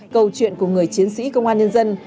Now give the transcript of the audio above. câu chuyện của người chiến sĩ công an nhân dân